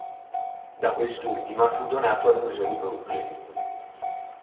Da quest'ultima fu donato al museo di Brooklyn.